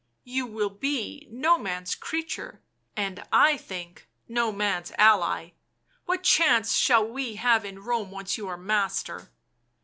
You will be no man's creature, and, I think, no man's ally— what chance shall we have in Rome once you are master?